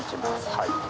はい。